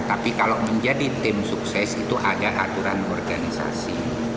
tapi kalau menjadi tim sukses itu ada aturan organisasi